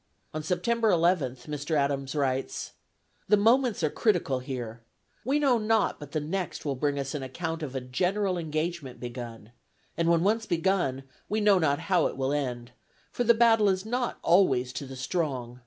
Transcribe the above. On September eleventh, Mr. Adams writes: "The moments are critical here. We know not but the next will bring us an account of a general engagement begun, and when once begun, we know not how it will end, for the battle is not always to the strong.